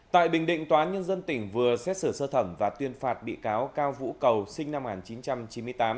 tại bình định tòa án nhân dân tỉnh vừa xét xử sơ thẩm và tuyên phạt bị cáo cao vũ cầu sinh năm một nghìn chín trăm chín mươi tám